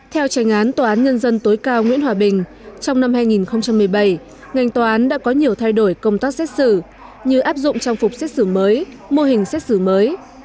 theo tranh án tòa án nhân dân tối cao nguyễn hòa bình trong năm hai nghìn một mươi bảy ngành tòa án đã có nhiều thay đổi công tác xét xử như áp dụng trang phục xét xử mới mô hình xét xử mới